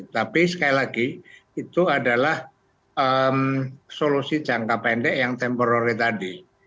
tapi sekali lagi itu adalah solusi jangka pendek yang temporary tadi